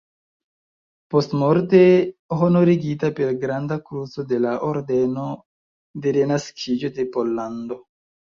Postmorte honorigita per Granda Kruco de la Ordeno de Renaskiĝo de Pollando.